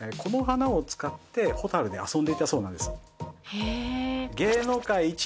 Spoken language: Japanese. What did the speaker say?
へぇ。